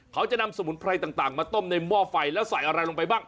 เขาจะนำสมุนไพรต่างมาต้มในหม้อไฟแล้วใส่อะไรลงไปบ้าง